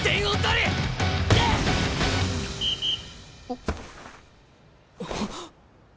あっ！